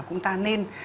cũng ta nên